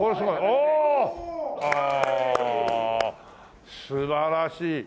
おお！素晴らしい！